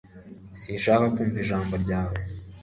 Sinshaka kumva ijambo ryawe.